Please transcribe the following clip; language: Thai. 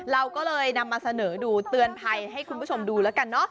เราก็เลยนำมาเสนอดูเตือนภัยให้คุณผู้ชมดูแล้วกันเนอะ